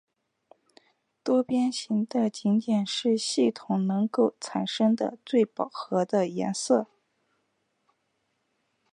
多边形的顶点是系统能够产生的最饱和的颜色。